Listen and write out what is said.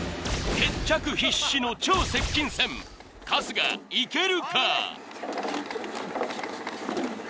決着必至の超接近戦春日いけるか？